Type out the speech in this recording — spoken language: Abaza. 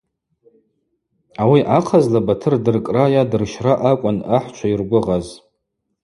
Ауи ахъазла Батыр дыркӏра йа дырщра акӏвын ахӏчва йыргвыгъаз.